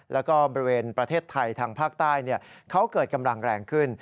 แล้วก็บริเวณประเทศไทยทางภาคใต้เขาเกิดกำลังแรงขึ้น